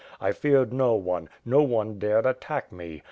I feared no one; no one dared attack me.